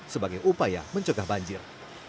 sebagai upaya mencegah banjir